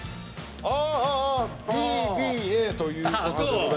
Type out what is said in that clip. あＢＢＡということでございまして。